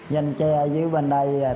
danh tre dưới bên đây thay đổi